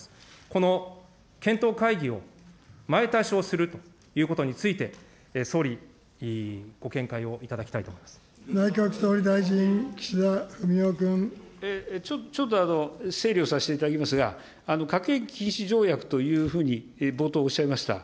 この検討会議を前倒しをするということについて、総理、ご見解を内閣総理大臣、ちょっと整理をさせていただきますが、核兵器禁止条約というふうに冒頭、おっしゃいました。